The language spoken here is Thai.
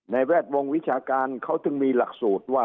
แวดวงวิชาการเขาถึงมีหลักสูตรว่า